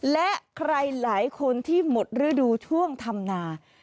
และใครหลายคนที่หมดฤดูช่วงทำนา